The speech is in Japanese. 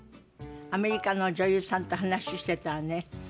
アメリカの女優さんと話してたらね